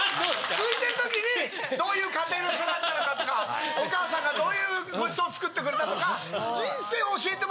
すいてる時にどういう家庭で育ったのかとかお母さんがどういうごちそうを作ってくれたとか。